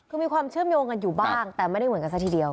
คือมีความเชื่อมโยงกันอยู่บ้างแต่ไม่ได้เหมือนกันซะทีเดียว